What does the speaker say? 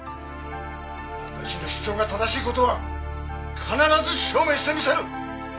私の主張が正しい事は必ず証明してみせる。